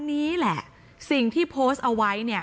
หนูจะให้เขาเซอร์ไพรส์ว่าหนูเก่ง